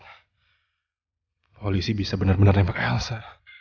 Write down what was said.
polisi bisa benar benar nempak elsa